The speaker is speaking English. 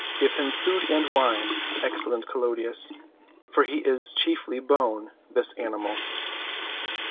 Give him food and wine, excellent Clodius, for he is chiefly bone—this animal."